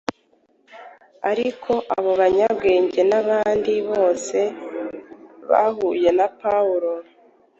ariko abo banyabwenge n’abandi bose bahuye na Pawulo,